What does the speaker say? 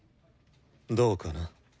どうかな。